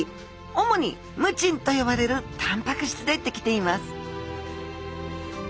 主にムチンと呼ばれるタンパク質でできています